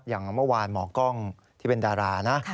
อย่างเมื่อวานหมอกล้องที่เป็นดารานะ